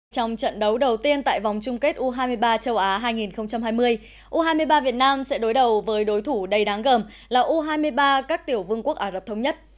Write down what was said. trong trận đấu đầu tiên tại vòng chung kết u hai mươi ba châu á hai nghìn hai mươi u hai mươi ba việt nam sẽ đối đầu với đối thủ đầy đáng gồm là u hai mươi ba các tiểu vương quốc ả rập thống nhất